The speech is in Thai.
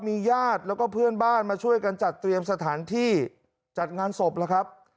มีญาติแล้วก็เพื่อนบ้านมาช่วยกันจัดเตรียมสถานที่จัดงานศพแล้วครับ